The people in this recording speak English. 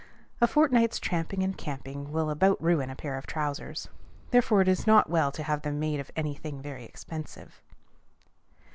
A fortnight's tramping and camping will about ruin a pair of trousers: therefore it is not well to have them made of any thing very expensive.